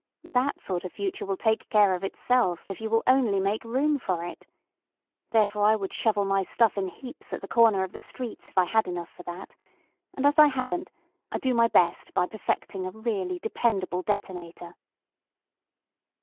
That sort of future will take care of itself if you will only make room for it. Therefore I would shovel my stuff in heaps at the corners of the streets if I had enough for that; and as I haven't, I do my best by perfecting a really dependable detonator."